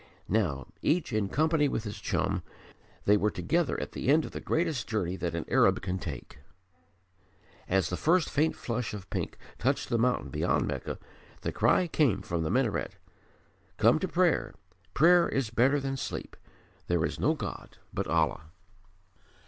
Now, each in company with his chum, they were together at the end of the greatest journey that an Arab can take. As the first faint flush of pink touched the mountain beyond Mecca, the cry came from the minaret: "Come to prayer. Prayer is better than sleep. There is no God but Allah."